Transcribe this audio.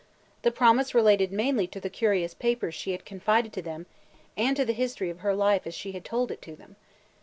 The promise related mainly to the curious papers she had confided to them and to the history of her life as she had told it to them.